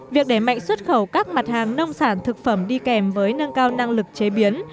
việc đẩy mạnh xuất khẩu các mặt hàng nông sản thực phẩm đi kèm với nâng cao năng lực chế biến